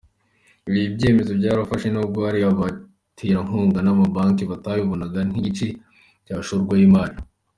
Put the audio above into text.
Ibi byemezo byarafashwe nubwo hari abaterankunga n’amabanki batabibonaga nk’igice cyashorwamo imari.”